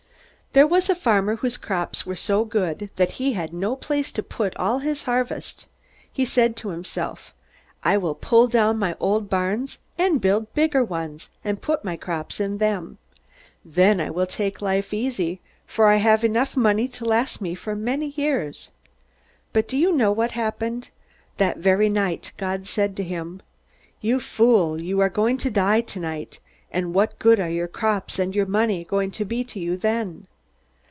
"There was a farmer whose crops were so good that he had no place to put all the harvest. He said to himself: 'I will pull down my old barns, and build bigger ones, and put my crops in them. Then I will take life easy, for I have enough money to last me for many years.' "But do you know what happened? That very night God said to him, 'You fool, you are going to die tonight; and what good are your crops and your money going to be to you then?'